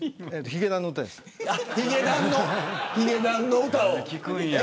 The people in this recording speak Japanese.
ヒゲダンの歌を。